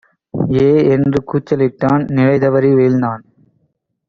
ஏ!என்று கூச்சலிட்டான்; நிலைதவறி வீழ்ந்தான்!